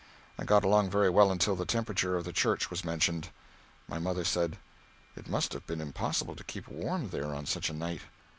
I got along very well until the temperature of the church was mentioned. My mother said, "It must have been impossible to keep warm there on such a night."